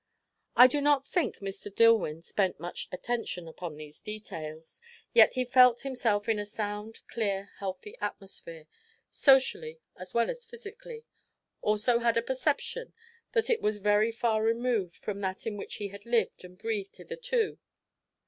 I do not think Mr. Dillwyn spent much attention upon these details; yet he felt himself in a sound, clear, healthy atmosphere, socially as well as physically; also had a perception that it was very far removed from that in which he had lived and breathed hitherto.